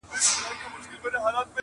په لكونو وه راغلي عالمونه؛